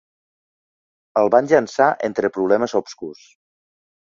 El van llançar entre problemes obscurs.